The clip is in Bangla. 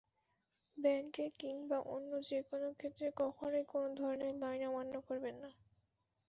ব্যাংকে কিংবা অন্য যেকোনো ক্ষেত্রে কখনোই কোনো ধরনের লাইন অমান্য করবেন না।